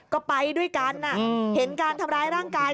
ก็ไปด้วยกันเห็นการทำร้ายร่างกาย